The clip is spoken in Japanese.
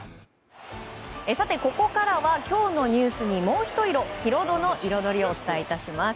ここからは今日のニュースに、もうひと色ヒロドのイロドリをお伝えいたします。